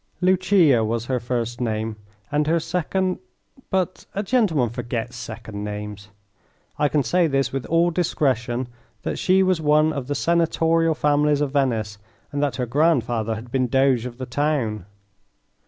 Lucia was her first name, and her second but a gentleman forgets second names. I can say this with all discretion, that she was of one of the senatorial families of Venice and that her grandfather had been Doge of the town.